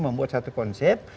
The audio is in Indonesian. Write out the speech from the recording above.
membuat satu konsep